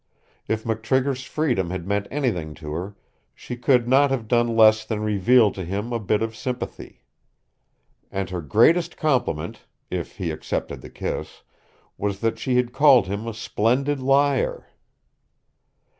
If McTrigger's freedom had meant anything to her, she could not have done less than reveal to him a bit of sympathy. And her greatest compliment, if he excepted the kiss, was that she had called him a splendid liar!